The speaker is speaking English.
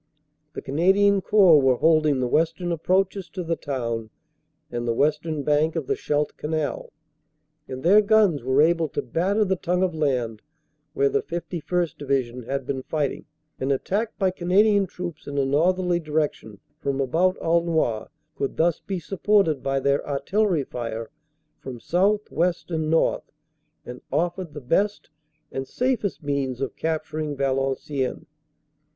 The Canadian Corps were holding the western approaches to the town and the western bank of the Scheldt canal, and their guns were able to batter the tongue of land where the 51st. Division had been fighting. An attack by Canadian troops in a northerly direction from 366 CANADA S HUNDRED DAYS about Aulnoy could thus be supported by their artillery fire from south, west and north, and offered the best and safest means of capturing Valenciennes.